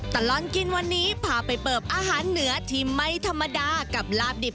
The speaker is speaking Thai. ตลอดกินวันนี้พาไปเปิบอาหารเหนือที่ไม่ธรรมดากับลาบดิบ